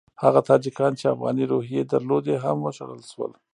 هغه تاجکان چې افغاني روحیې درلودې هم وشړل شول.